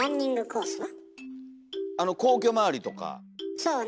そうね。